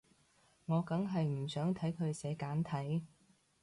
我梗係唔想睇佢寫簡體